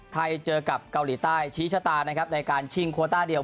ไทยเจอกับเกาหลีใต้ชี้ชะตานะครับในการชิงโคต้าเดียว